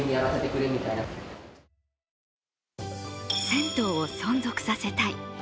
銭湯を存続させたい。